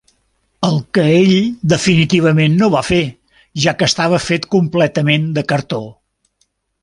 El que ell definitivament no va fer, ja que estava fet completament de cartó.